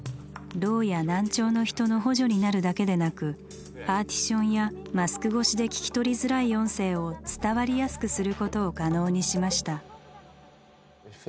ろうや難聴の人の補助になるだけでなくパーティションやマスク越しで聞き取りづらい音声を伝わりやすくすることを可能にしました。